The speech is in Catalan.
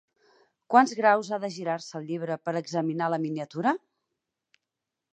Quants graus ha de girar-se el llibre per examinar la miniatura?